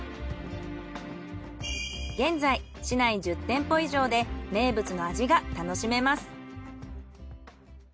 現在市内１０店舗以上で名物の味が楽しめます。